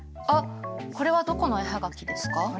あっこれはどこの絵葉書ですか？